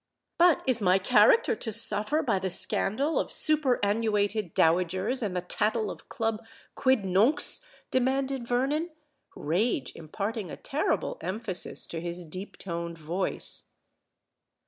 "But is my character to suffer by the scandal of superannuated dowagers and the tattle of Club quid nuncs?" demanded Vernon, rage imparting a terrible emphasis to his deep toned voice.